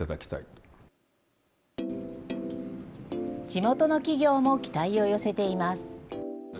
地元の企業も期待を寄せています。